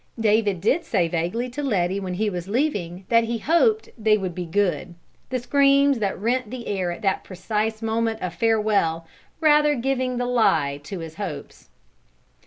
David did say vaguely to Letty when he was leaving, that he hoped "they would be good," the screams that rent the air at the precise moment of farewell rather giving the lie to his hopes.